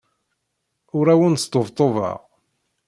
Ur awen-sṭebṭubeɣ.